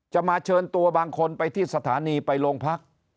มาเชิญตัวบางคนไปที่สถานีไปโรงพัก